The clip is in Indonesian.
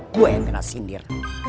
gue yang kena sindir